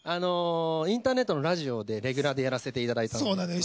インターネットのラジオでレギュラーでやらせていただいたんです。